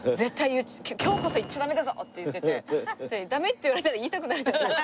「今日こそ言っちゃダメだぞ！」って言っててダメって言われたら言いたくなるじゃないですか。